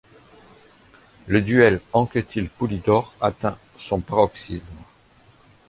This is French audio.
Le duel Anquetil-Poulidor atteint son paroxysme.